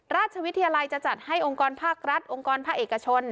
ราชวิทยาลัยจะจัดให้องค์กรภาครัฐองค์กรภาคเอกชน